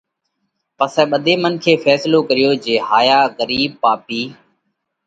پسئہ ٻڌي منکي ڦينصلو ڪريو جي هايا ڳرِيٻ پاپِي